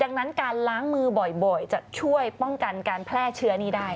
ดังนั้นการล้างมือบ่อยจะช่วยป้องกันการแพร่เชื้อนี้ได้